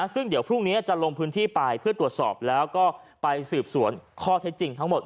ซึ่งเดี๋ยวพรุ่งนี้จะลงพื้นที่ไปเพื่อตรวจสอบแล้วก็ไปสืบสวนข้อเท็จจริงทั้งหมด